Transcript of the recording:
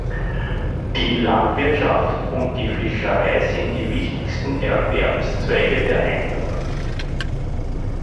Die Landwirtschaft und die Fischerei sind die wichtigsten Erwerbszweige der Einwohner.